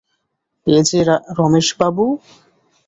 এ যে রমেশবাবু!